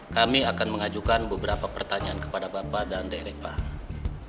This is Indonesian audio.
kami akan mengajukan beberapa pertanyaan kepada bapak dan rekam